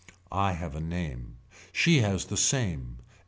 I have a name. She has the same.